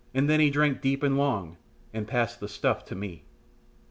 Then he drank deep and long, and, passed the stuff to me.